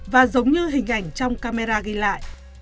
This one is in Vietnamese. và giống như hình ảnh trong camera ghi lại